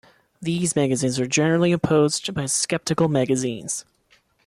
These magazines are generally opposed by skeptical magazines.